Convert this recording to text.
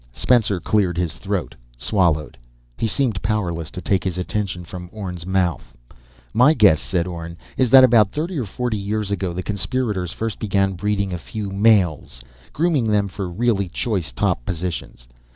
Spencer cleared his throat, swallowed. He seemed powerless to take his attention from Orne's mouth. "My guess," said Orne, "is that about thirty or forty years ago, the conspirators first began breeding a few males, grooming them for really choice top positions.